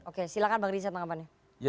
oke silahkan bang rizieq pengertiannya